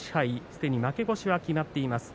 すでに負け越しは決まっています。